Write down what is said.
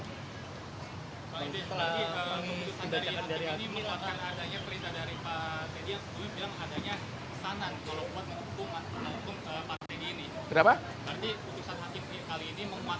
pak edi tadi putusan dari hakim ini menguatkan adanya perintah dari pak t d yang sebelumnya bilang adanya kesanan kalau membuat hukuman